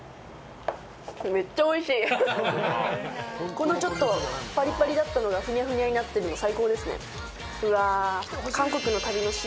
このちょっとパリパリだったのがふにゃふにゃになっていて最高ですね。